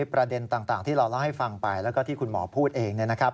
ประเด็นต่างที่เราเล่าให้ฟังไปแล้วก็ที่คุณหมอพูดเอง